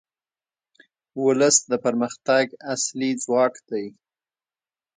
ولس د پرمختګ اصلي ځواک دی.